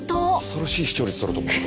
恐ろしい視聴率とると思う。